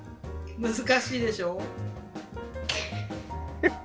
難しいでしょう？